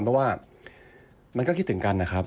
เพราะว่ามันก็คิดถึงกันนะครับ